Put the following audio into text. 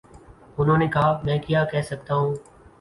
انہوں نے کہا: میں کیا کہہ سکتا ہوں۔